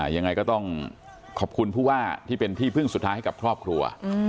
ยังไงก็ต้องขอบคุณผู้ว่าที่เป็นที่พึ่งสุดท้ายให้กับครอบครัว